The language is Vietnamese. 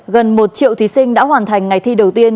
gần một triệu thí sinh đã hoàn thành ngày thi đầu tiên